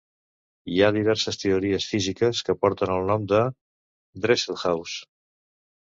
Hi ha diverses teories físiques que porten el nom de Dresselhaus.